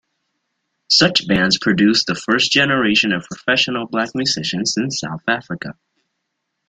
Such bands produced the first generation of professional black musicians in South Africa.